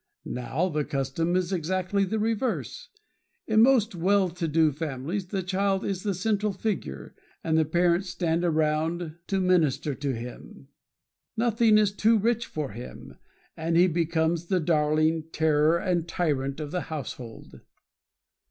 Now the custom is exactly the reverse. In most well to do families the child is the central figure, and the parents stand around to minister to him. Nothing is too rich for him, and he becomes the darling, terror, and tyrant of the household.